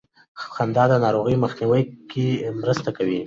خندا د ناروغیو مخنیوي کې مرسته کوي.